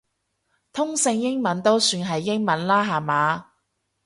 通勝英文都算係英文啦下嘛